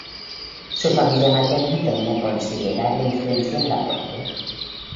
Su familia materna tenía considerable influencia en la Corte.